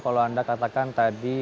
kalau anda katakan tadi